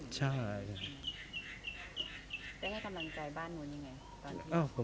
จะได้ร้ายขนาดนั้นหรือ